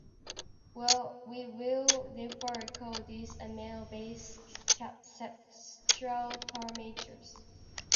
We will, therefore, call these the mel-based cepstral parameters.